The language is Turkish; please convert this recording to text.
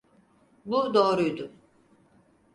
Bu doğruydu.